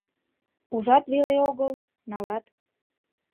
Ужат веле огыл, налат.